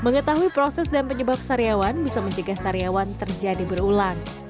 mengetahui proses dan penyebab sariawan bisa mencegah saryawan terjadi berulang